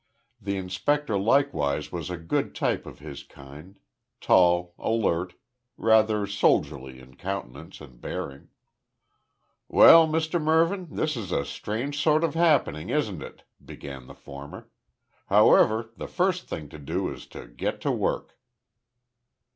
The inspector likewise was a good type of his kind; tall, alert, rather soldierly in countenance and bearing. "Well, Mr Mervyn, this is a strange sort of happening, isn't it?" began the former. "However, the first thing to do is to get to work."